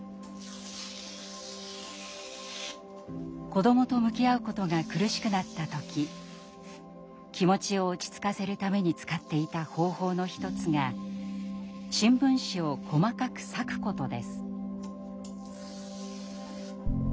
子どもと向き合うことが苦しくなった時気持ちを落ち着かせるために使っていた方法の一つが新聞紙を細かく裂くことです。